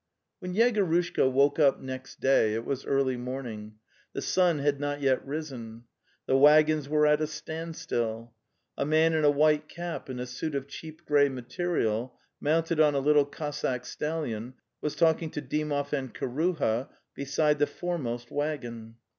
When Yegorushka woke up next day it was early morning; the sun had not yet risen. The waggons were at a standstill. A man in a white cap and a suit of cheap grey material, mounted on a little Cossack stallion, was talking to Dymov and Kiruha beside the foremost waggon.